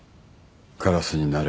カラスになれ。